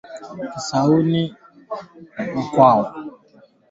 aliamuru kiasi cha wanajeshi mia saba na hamsini wa Marekani nchini Somalia kuondoka